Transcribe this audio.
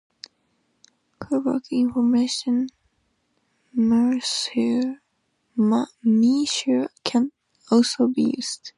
Kullback information measure can also be used.